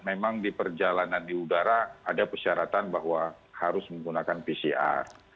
memang di perjalanan di udara ada persyaratan bahwa harus menggunakan pcr